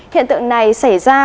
hiện tượng này xảy ra